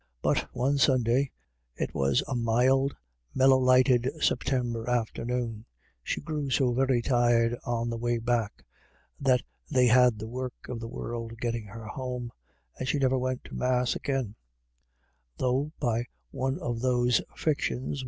But one Sunday — it was a mild, mellow lighted September afternoon — she grew so very tired on the way back, that they had the work of the world getting her home, and she never went to Mass again ; though, by one of those fictions 1 66 IRISH IDYLLS.